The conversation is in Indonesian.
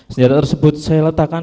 senjata tersebut saya letakkan